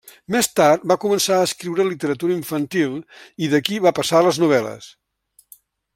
Més tard va començar a escriure literatura infantil i d'aquí va passar a les novel·les.